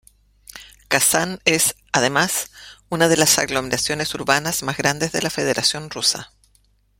Kazán es, además, una de las aglomeraciones urbanas más grandes de la Federación Rusa.